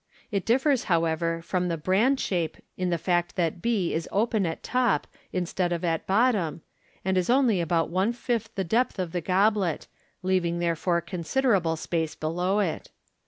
It differs, however, from the " bran shape" in the fact that b is open at top instead of at bottom, and is only about one fifth the depth of the goblet, leaving therefore considerable space below it.